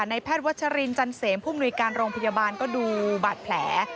ในแพทย์วัชรินจันเสมผู้มนุยการโรงพยาบาลก็ดูบาดแผล